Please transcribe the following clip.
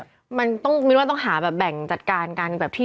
ว่าเราจะทำยังไงกับการควบคุมปริมาณประชากรช้างเนี่ย